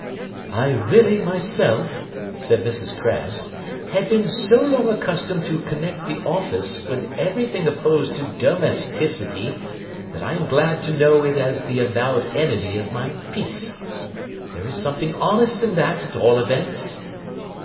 'I really, myself,' said Mrs. Craggs, 'have been so long accustomed to connect the office with everything opposed to domesticity, that I am glad to know it as the avowed enemy of my peace. There is something honest in that, at all events.